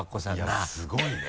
いやすごいね。